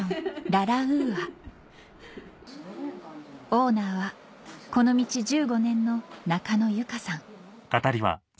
ＬＡＬＡＵＡオーナーはこの道１５年の中野由佳さん